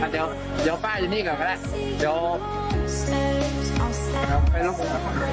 เดี๋ยวป้าจะยืนดีกว่ากันล่ะเดี๋ยว